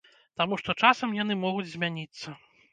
Таму што часам яны могуць змяніцца.